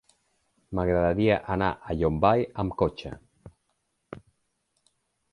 M'agradaria anar a Llombai amb cotxe.